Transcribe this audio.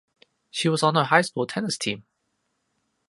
She was on her high school tennis team.